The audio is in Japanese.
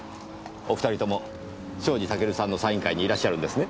お２人とも庄司タケルさんのサイン会にいらっしゃるんですね？